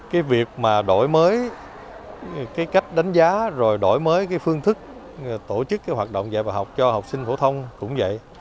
cái việc mà đổi mới cái cách đánh giá rồi đổi mới cái phương thức tổ chức cái hoạt động dạy và học cho học sinh phổ thông cũng vậy